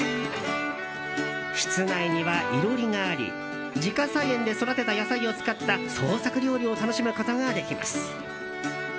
室内には囲炉裏があり自家菜園で育てた野菜を使った創作料理を楽しむことができます。